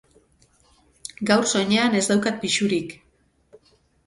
Gaur soinean ez daukat pisurik.